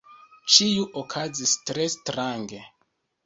Ĉio okazis tre strange.